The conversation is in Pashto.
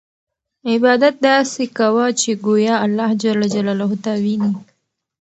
عبادت داسې کوه چې ګویا اللهﷻ تا ویني.